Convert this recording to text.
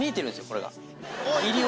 これが。